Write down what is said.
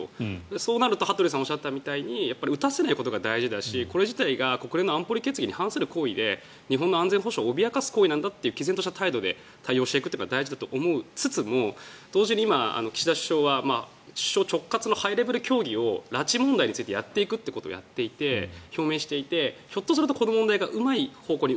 そうなると羽鳥さんがおっしゃったように撃たせないことが大事だしこれ自体が国連の安保理決議に反する行為で日本の安全保障を脅かす行為なんだという毅然な態度で対応していくことが大事だと思いつつも同時に今、岸田首相は首相直轄のハイレベル協議を拉致問題についてやっていくと表明していて、ひょっとするとこの問題がうまい方向に